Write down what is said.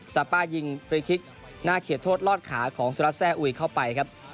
ซาป้ายิงฟรีคิกหน้าเขตโทษลอดขาของสุรัสแซ่อุยเข้าไปครับ